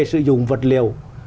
sử dụng vật liều